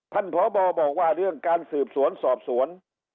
พบบอกว่าเรื่องการสืบสวนสอบสวน